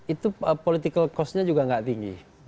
itu political costnya juga tidak tinggi